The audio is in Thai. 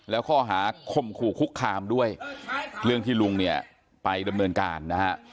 แล้วข้อหาคมขู่คุกคามด้วยเรื่องที่ลุงเนี่ยไปดำเนินการนะฮะ